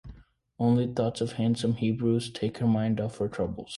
Only thoughts of handsome Hebrus take her mind off her troubles.